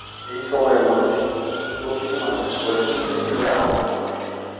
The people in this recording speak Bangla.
এই সময়ের মধ্যে দেশের প্রতিটি মানুষ গড়ে তিন কেজি করে আম খায়।